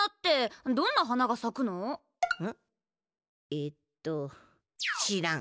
えっと知らん。